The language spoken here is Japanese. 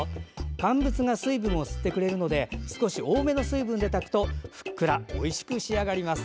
乾物が水分を吸ってくれるので少し多めの水分で炊くとふっくらおいしく仕上がります。